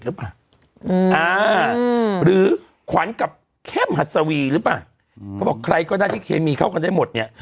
หรือเปล่าหรือขวัญกับเข้มหัสวีหรือเปล่าเขาบอกใครก็ได้ที่เคมีเข้ากันได้หมดเนี่ย